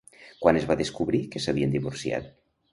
Quan es va descobrir que s'havien divorciat?